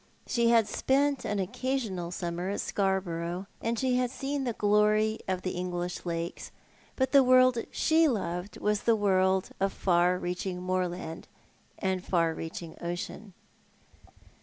She had spent an occasional summer at Scarborough, and she had seen the glory of the English lakes ; but the world she loved was this world of far reaching moorland and far reaching ocean.